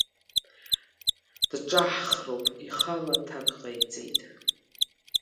Дҿаҳхроуп, ихала аҭак ҟаиҵеит.